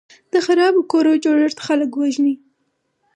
د خرابو کورو جوړښت خلک وژني.